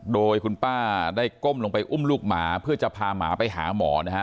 โดยคุณป้าได้ก้มลงไปอุ้มลูกหมาเพื่อจะพาหมาไปหาหมอนะฮะ